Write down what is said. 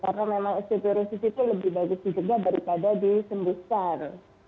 karena memang osteoporosis itu lebih bagus dipegah daripada disembuhkan